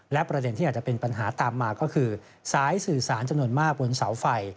และประเด็นที่อาจจะเป็นปัญหาตามมาก็คือสายสื่อสารจำนวนมากบนเสาไฟ